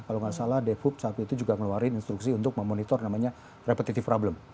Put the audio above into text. kalau nggak salah depub saat itu juga ngeluarin instruksi untuk memonitor namanya repetitive problem